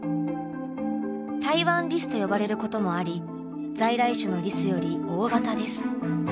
タイワンリスと呼ばれることもあり在来種のリスより大型です。